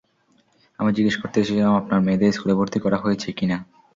আমি জিজ্ঞেস করতে এসেছিলাম আপনার মেয়েদের স্কুলে ভর্তি করা হয়েছে কি না?